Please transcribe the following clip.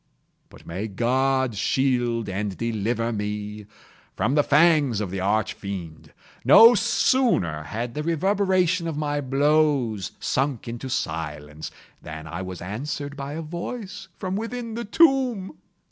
But may God shield and deliver me from the fangs of the Arch Fiend! No sooner had the reverberation of my blows sunk into silence, than I was answered by a voice from within the tomb!